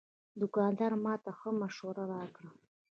دوکاندار ماته ښه مشوره راکړه.